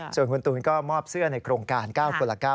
ส่วนคุณตูนก็มอบเสื้อในโครงการ๙คนละ๙